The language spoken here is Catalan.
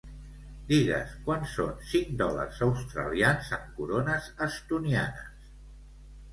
Digues quant són cinc dòlars australians en corones estonianes.